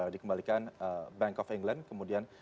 dikembalikan bank of england kemudian